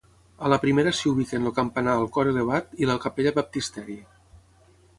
A la primera s'hi ubiquen el campanar el cor elevat i la capella baptisteri.